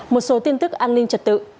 một số tin tức an ninh trật tự